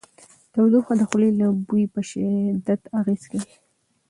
تودوخه د خولې د بوی په شدت اغېز کوي.